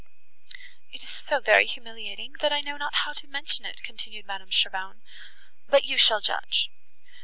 "It is so very humiliating, that I know not how to mention it," continued Madame Cheron, "but you shall judge.